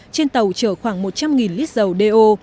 trên tàu chở khoảng một trăm linh lít dầu do